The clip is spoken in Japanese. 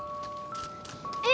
え⁉